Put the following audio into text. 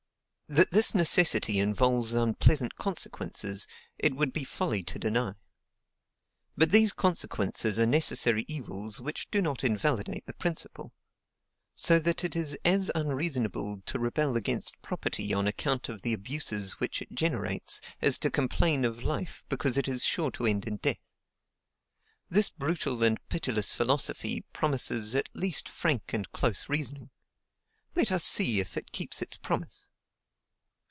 That this necessity involves unpleasant consequences, it would be folly to deny. But these consequences are necessary evils which do not invalidate the principle; so that it is as unreasonable to rebel against property on account of the abuses which it generates, as to complain of life because it is sure to end in death. This brutal and pitiless philosophy promises at least frank and close reasoning. Let us see if it keeps its promise.